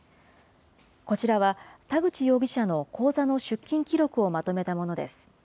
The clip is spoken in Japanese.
こちらは、田口容疑者の口座の出金記録をまとめたものです。